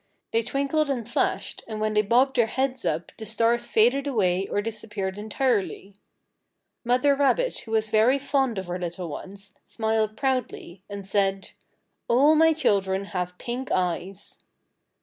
They twinkled and flashed, and when they bobbed their heads up the stars faded away or disappeared entirely. Mother rabbit, who was very fond of her little ones, smiled proudly, and said: "All my children have pink eyes!"